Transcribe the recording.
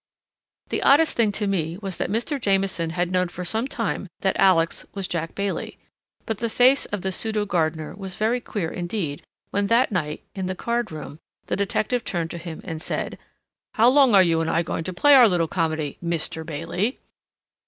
The oddest thing to me was that Mr. Jamieson had known for some time that Alex was Jack Bailey. But the face of the pseudo gardener was very queer indeed, when that night, in the card room, the detective turned to him and said: "How long are you and I going to play our little comedy, _Mr. Bailey?